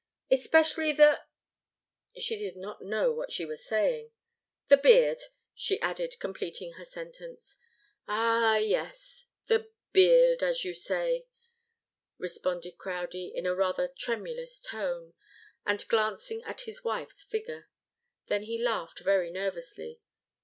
"Especially the" she did not know what she was saying "the beard," she added, completing her sentence. "Ah, yes the beard as you say," responded Crowdie, in a rather tremulous tone, and glancing at his wife's figure. Then he laughed very nervously.